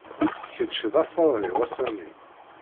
Kečč d asaḍ-iw, a Sami.